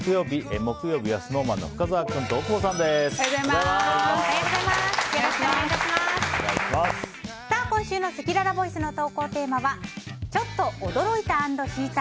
本日木曜日、木曜日はＳｎｏｗＭａｎの深澤君と今週のせきららボイスの投稿テーマはちょっと驚いた＆引いた！